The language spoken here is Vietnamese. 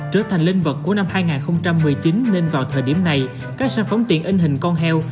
trở thành linh vật của năm hai nghìn một mươi chín nên vào thời điểm này các sản phẩm tiện in hình con heo